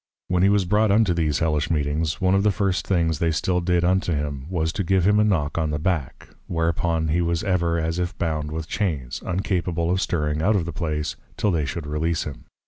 When he was brought unto these hellish Meetings, one of the first Things they still did unto him, was to give him a knock on the Back, whereupon he was ever as if bound with Chains, uncapable of stirring out of the place, till they should release him.